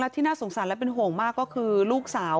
แล้วที่น่าสงสัตว์แล้วเป็นหวงมากก็คือลูกสาว